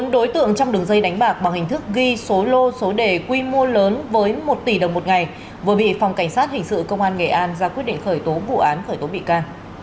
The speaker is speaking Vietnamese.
bốn đối tượng trong đường dây đánh bạc bằng hình thức ghi số lô số đề quy mô lớn với một tỷ đồng một ngày vừa bị phòng cảnh sát hình sự công an nghệ an ra quyết định khởi tố vụ án khởi tố bị ca